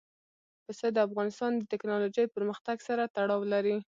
پسه د افغانستان د تکنالوژۍ پرمختګ سره تړاو لري.